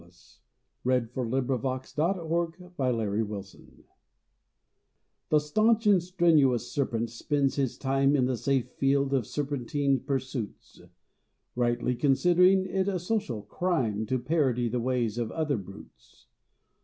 = HYMN FOR HUMBLE PEOPLE |THE staunch and strenuous Serpent spends his time `In the safe field of serpentine pursuits, Rightly considering it a social crime `To parody the ways of other brutes.